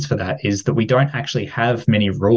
kita tidak memiliki banyak peraturan